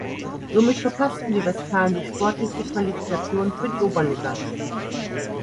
Somit verpassten die Westfalen die sportliche Qualifikation für die Oberliga.